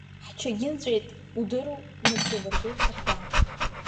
Ҳчагьы нҵәеит, удыруоу, ныбжьалыргылеит Арда.